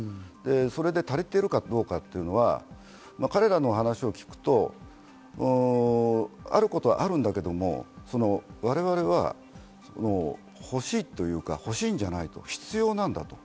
それで足りているかどうかは彼らの話を聞くと、あることはあるんだけれども、我々は欲しいというのではなく必要なんだと。